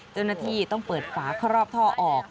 เจ้าหน้าที่ต้องเปิดฝาครอบท่อออก